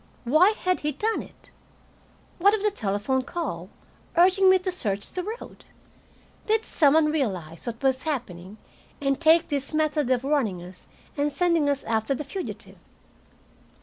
Why had he done it? What of the telephone call, urging me to search the road? Did some one realize what was happening, and take this method of warning us and sending us after the fugitive?